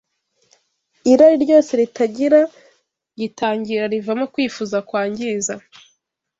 Irari ryose ritagira gitangira rivamo kwifuza kwangiza